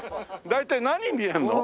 大体何見えるの？